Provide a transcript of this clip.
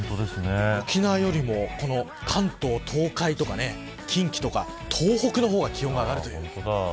沖縄よりも関東、東海とか近畿とか、東北の方が気温が上がるという。